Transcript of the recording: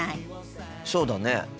そうだね。